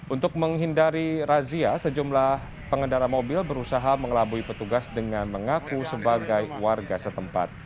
untuk menghindari razia sejumlah pengendara mobil berusaha mengelabui petugas dengan mengaku sebagai warga setempat